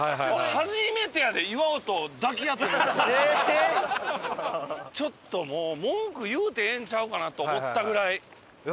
初めてやでちょっともう文句言うてええんちゃうかなと思ったぐらい。